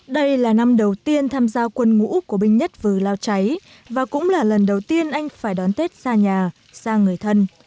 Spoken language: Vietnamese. đây là năm đầu tiên tham gia quân ngũ của binh nhất vừ lao cháy và cũng là lần đầu tiên anh phải đón tết xa nhà xa người thân